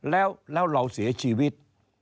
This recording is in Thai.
แล้วเราเสียชีวิต